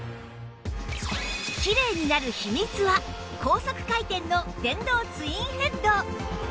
きれいになる秘密は高速回転の電動ツインヘッド